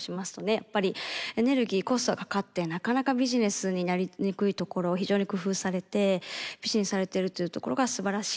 やっぱりエネルギーコストかかってなかなかビジネスになりにくいところを非常に工夫されて苦心されてるというところがすばらしい。